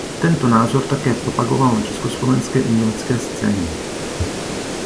Tento názor také propagoval na československé umělecké scéně.